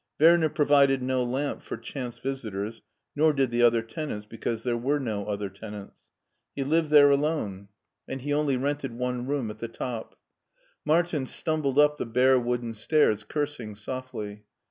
Werner provided no lamp for chance visitors, nor did the other tenants, because there were no other tenants. He lived alone there, and 20 MARTIN SCHULER he only rented one room at the top. Martin stumbled up the bare wooden stairs, cursing softly.